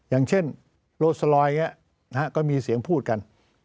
อย่างเช่นโรสลอยก็มีเสียงพูดกัน